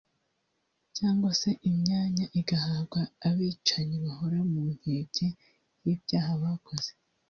Cyangwa se imyanya igahabwa abicanyi bahora ku nkeke y’ibyaha bakoze